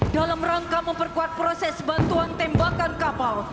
dalam rangka memperkuat proses bantuan tembakan kapal